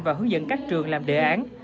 và hướng dẫn các trường làm đề án